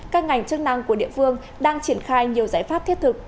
các ngành chức năng của địa phương đang triển khai nhiều giải pháp thiết thực